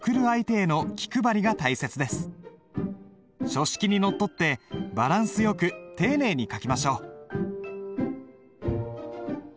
書式にのっとってバランスよく丁寧に書きましょう。